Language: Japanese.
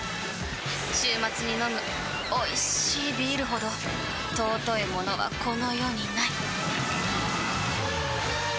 週末に飲むおいしいビールほど尊いものはこの世にない！